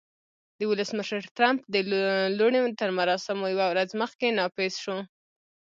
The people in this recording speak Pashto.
د ولسمشر ټرمپ د لوړې تر مراسمو یوه ورځ مخکې نافذ شو